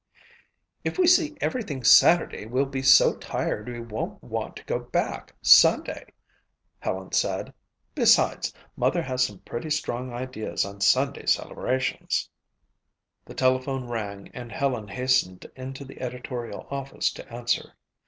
"If we see everything Saturday we'll be so tired we won't want to go back Sunday," Helen said. "Besides, Mother has some pretty strong ideas on Sunday celebrations." The telephone rang and Helen hastened into the editorial office to answer.